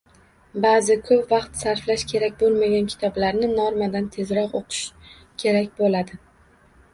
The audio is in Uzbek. Baʼzi, koʻp vaqt sarflash kerak boʻlmagan kitoblarni normadan tezroq oʻqish kerak boʻladi